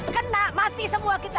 kena mati semua kita